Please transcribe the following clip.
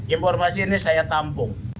informasi ini saya tampung